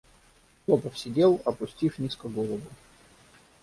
Клопов сидел, опустив низко голову.